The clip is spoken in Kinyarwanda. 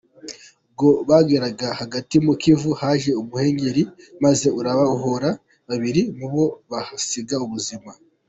Ubwo bageraga hagati mu Kivu, haje umuhengeri maze urabaroha babiri muri bo bahasiga ubuzima.